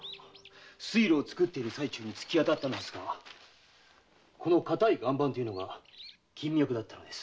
水路を作っている最中に突き当たったのですがこの固い岩盤というのが金脈だったのです。